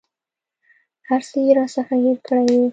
هر څه یې راڅخه هېر کړي وه.